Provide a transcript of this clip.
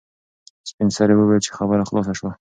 سپین سرې وویل چې خبره خلاصه شوه.